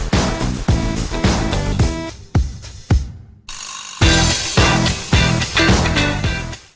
โปรดติดตามตอนต่อไป